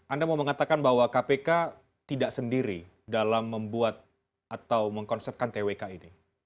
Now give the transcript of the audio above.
anda mau mengatakan bahwa kpk tidak sendiri dalam membuat atau mengkonsepkan twk ini